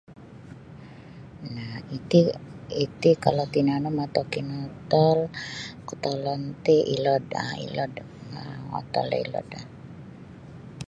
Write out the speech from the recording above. Laa iti iti kalau tinanum atau kinotol kotolon ti ilot um mangotol da ilot.